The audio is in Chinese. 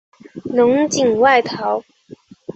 侬锦外逃。